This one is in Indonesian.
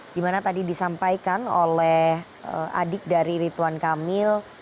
di mana tadi disampaikan oleh adik dari rituan kamil